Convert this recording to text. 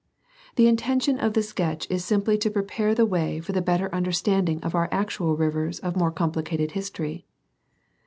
The intention of the sketch is simply to prepare the way for the better understanding of our actual rivers of more complicated history.